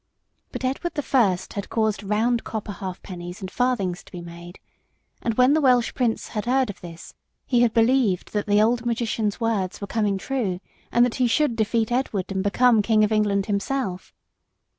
But Edward the First had caused round copper half pennies and farthings to be made, and when the Welsh prince had heard of this he had believed that the old magician's words were coming true, and that he should defeat Edward and become king of England himself.